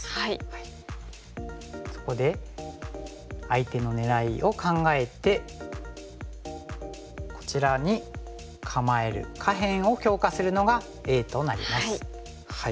そこで相手の狙いを考えてこちらに構える下辺を強化するのがＡとなります。